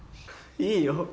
いいよ。